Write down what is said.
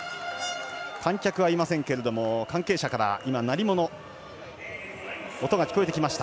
観客はいませんが、関係者から鳴り物、音が聞こえてきました。